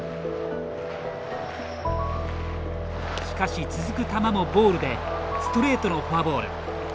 しかし、続く球もボールでストレートのフォアボール。